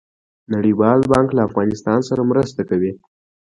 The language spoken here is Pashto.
نړیوال بانک له افغانستان سره مرسته کوي